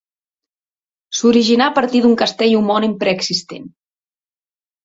S'originà a partir d'un castell homònim preexistent.